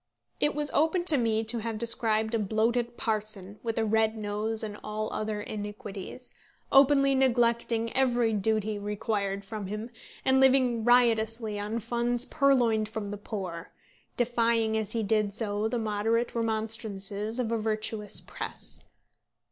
It was open to me to have described a bloated parson, with a red nose and all other iniquities, openly neglecting every duty required from him, and living riotously on funds purloined from the poor, defying as he did do so the moderate remonstrances of a virtuous press.